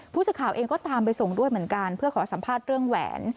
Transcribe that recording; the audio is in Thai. ผู้สื่อข่าวเองก็ตามไปส่งด้วยเหมือนกันเพื่อขอสัมภาษณ์เรื่องแหวน